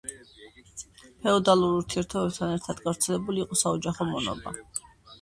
ფეოდალურ ურთიერთობებთან ერთად გავრცელებული იყო საოჯახო მონობა.